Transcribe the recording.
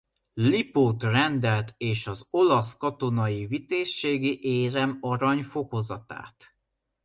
Lipót-rendet és az olasz Katonai Vitézségi Érem arany fokozatát.